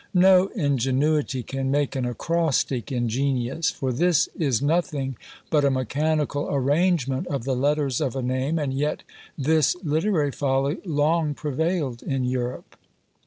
No ingenuity can make an ACROSTIC ingenious; for this is nothing but a mechanical arrangement of the letters of a name, and yet this literary folly long prevailed in Europe.